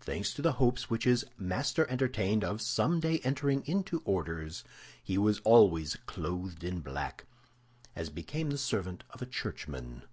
Thanks to the hopes which his master entertained of someday entering into orders, he was always clothed in black, as became the servant of a churchman.